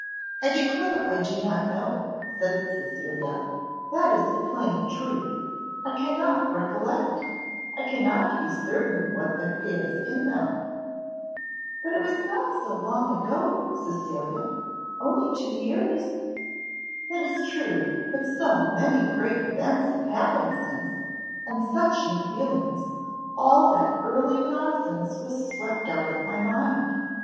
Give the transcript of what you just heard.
"I declare I do not know," said Cecilia, "that is the plain truth; I cannot recollect I cannot be certain what there is in them." "But it is not so long ago, Cecilia, only two years?" "That is true, but so many great events have happened since, and such new feelings, all that early nonsense was swept out of my mind.